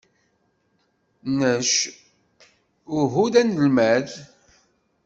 Nec uhu d anelmad.